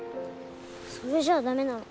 それじゃあ駄目なの。